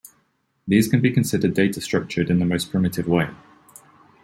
These can be considered data-structured, in the most primitive way.